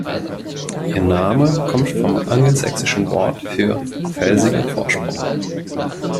Ihr Name kommt vom angelsächsischen Wort für „felsiger Vorsprung“.